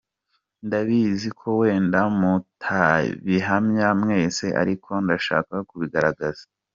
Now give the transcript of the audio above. Ndabizi ko wenda mutabihamya mwese ariko ndashaka kubigaragaza.